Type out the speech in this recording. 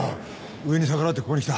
上に逆らってここに来た。